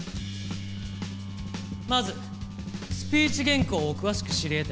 まずスピーチ原稿を詳しく知り得た奴。